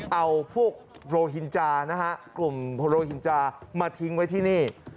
เอาพวกโรหินจานะฮะกลุ่มโรหินจามาทิ้งไว้ที่นี่